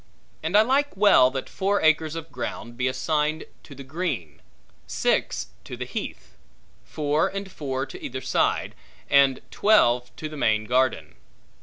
And I like well that four acres of ground be assigned to the green; six to the heath; four and four to either side; and twelve to the main garden.